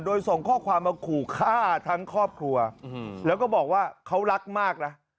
โดยส่งข้อความมาขู่ฆ่าทั้งครอบครัวแล้วก็บอกว่าเขารักมากนะ